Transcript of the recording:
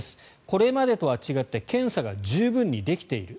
これまでとは違って検査が十分にできている。